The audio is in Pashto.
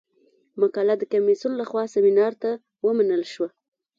مقاله د کمیسیون له خوا سیمینار ته ومنل شوه.